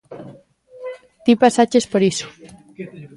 Ti pasaches por iso.